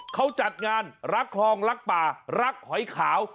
เขาจัดงานรักคลองรักป่ารักหอยขาว